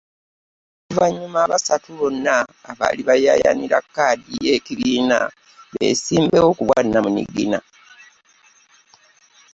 Oluvannyuma abasatu bonna abaali bayaayaanira kkaadi y’ekibiina beesimbawo ku bwannamunigina.